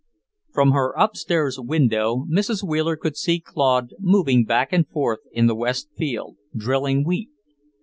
IV From her upstairs window Mrs. Wheeler could see Claude moving back and forth in the west field, drilling wheat.